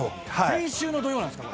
先週の土曜なんすか？